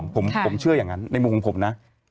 ผมเชื่ออย่างนั้นในมุมของผมนะ